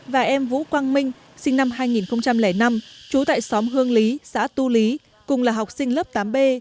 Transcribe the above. và em vũ quang minh sinh năm hai nghìn năm trú tại xóm hương lý xã tu lý cùng là học sinh lớp tám b